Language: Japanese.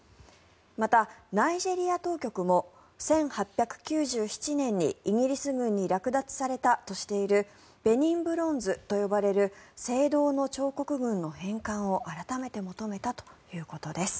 また、ナイジェリア当局も１８９７年にイギリス軍に略奪されたとしているベニン・ブロンズと呼ばれる青銅の彫刻群の返還を改めて求めたということです。